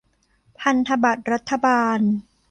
พันธบัตรรัฐบาล